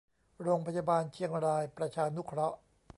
โรงพยาบาลเชียงรายประชานุเคราะห์